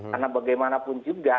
karena bagaimanapun juga